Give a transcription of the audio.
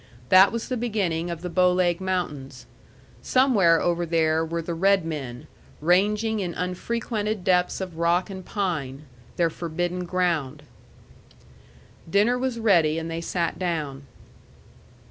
That was the beginning of the Bow Leg Mountains. Somewhere over there were the red men, ranging in unfrequented depths of rock and pine their forbidden ground. Dinner was ready, and they sat down.